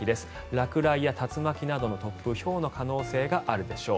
落雷や竜巻などの突風ひょうの可能性があるでしょう。